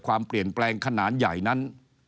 ความเปลี่ยนแปลงขนาดใหญ่นั้น